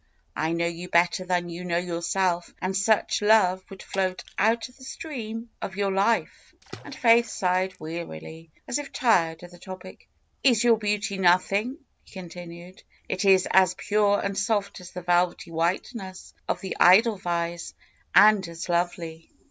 I know you better than you know your self, and such love would float out of the stream of your life." And Faith sighed wearily, as if tired of the topic. ^Hs your beauty nothing?" he continued. 'Ht is as pure and soft as the velvety whiteness of the Edelweiss and as lovely."